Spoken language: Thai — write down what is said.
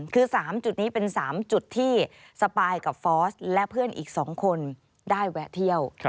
คือ๓จุดนี้เป็น๓จุดที่สปายกับฟอสและเพื่อนอีก๒คนได้แวะเที่ยว